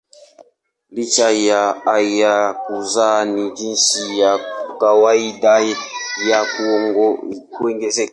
Licha ya hayo kuzaa ni jinsi ya kawaida ya kuongezeka.